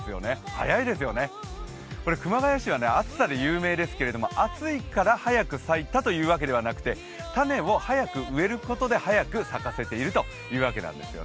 早いですよね、これ、熊谷市は暑さで有名ですけど、暑いから早く咲いたというわけではなくて種を早く植えることで早く咲かせているということなんです。